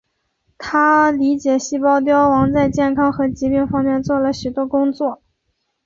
他对理解细胞凋亡在健康和疾病方面做了许多工作。